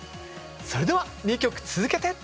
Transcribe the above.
それでは２曲続けて。